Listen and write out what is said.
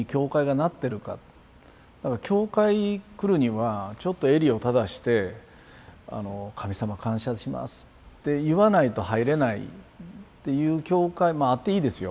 教会来るにはちょっと襟を正して「神様感謝します」って言わないと入れないっていう教会もあっていいですよ。